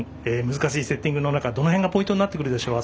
難しいセッティングの中どの辺がポイントになってくるでしょう。